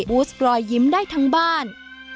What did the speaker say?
บูสรอยยิ้มได้ทั้งบ้าน